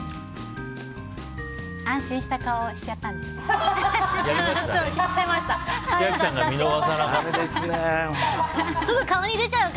安心した顔をしちゃったんですか？